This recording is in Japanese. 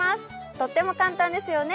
とっても簡単ですよね。